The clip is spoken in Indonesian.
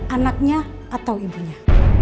anaknya atau ibunya